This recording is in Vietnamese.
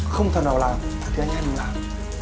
không thằng nào làm thì anh em cũng làm